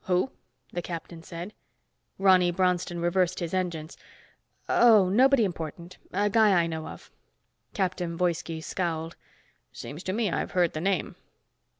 "Who?" the captain said. Ronny Bronston reversed his engines. "Oh, nobody important. A guy I know of." Captain Woiski scowled. "Seems to me I've heard the name."